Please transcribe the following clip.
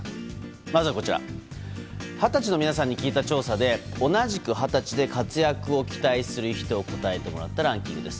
まずは二十歳の皆さんに聞いた調査で同じく二十歳で活躍を期待する人を答えてもらったランキングです。